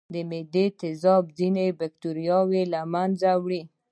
د معدې تیزاب ځینې بکتریاوې له منځه وړي.